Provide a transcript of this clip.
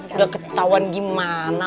sudah ketauan gimana